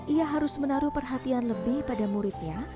ia harus menaruh perhatian lebih pada muridnya